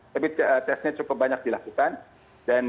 tapi tesnya cukup banyak dilakukan